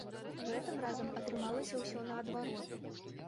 Гэтым разам атрымалася ўсё наадварот.